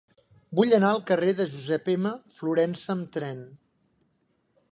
Vull anar al carrer de Josep M. Florensa amb tren.